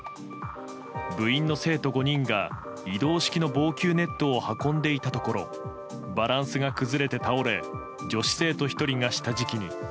部員の生徒５人が移動式の防球ネットを運んでいたところバランスが崩れて倒れ女子生徒１人が下敷きに。